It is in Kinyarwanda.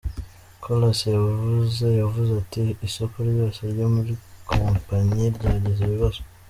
Kollas yavuze yavuze ati:"Isoko ryose ryo muri kompanyi ryagize ibibazo.